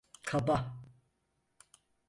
Kaba.